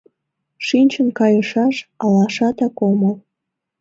Шинчын кайышаш алашатак омыл.